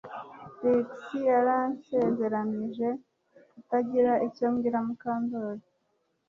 Trix yansezeranije kutagira icyo mbwira Mukandoli